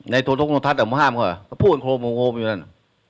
ในไม่ถูกทกลงทัศน์แต่ผมห้ามเขาหรอกอะไรเขาก็พูดกันโครงโอมอยู่นั่น